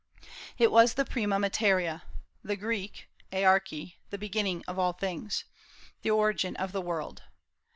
It was the prima materia, the [Greek: archae] the beginning of all things, the origin of the world.